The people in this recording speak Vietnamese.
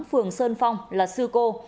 phường sơn phong là sư cô